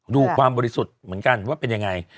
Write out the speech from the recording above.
ดูความบริสุทธิ์เหมือนกันว่าเป็นยังไง